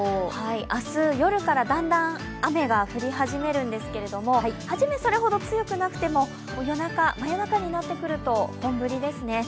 明日夜からだんだん雨が降り始めるんですけれども、初め、それほど強くなくても夜中、真夜中になってくると、本降りですね。